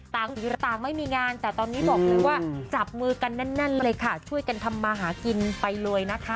ต่างเหลือต่างไม่มีงานแต่ตอนนี้บอกเลยว่าจับมือกันนั่นช่วยกันทำมาหากินไปเลยนะคะ